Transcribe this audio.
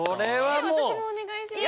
え私もお願いします。